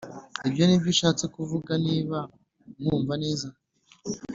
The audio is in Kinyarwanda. Ibyo nibyo ushatse kuvuga Niba nkumva neza